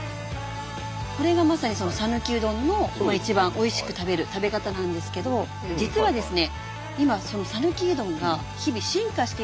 これがまさにさぬきうどんの一番おいしく食べる食べ方なんですけど実はですね